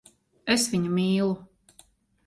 Es viņu mīlu.